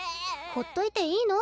ほっといていいの？